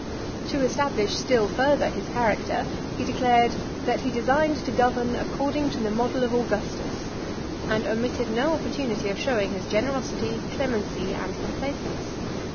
X. To establish still further his character, he declared, "that he designed to govern according to the model of Augustus;" and omitted no opportunity of showing his generosity, clemency, and complaisance.